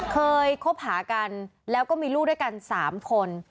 เคยคบหากันแล้วก็มีลูกด้วยกัน๓คน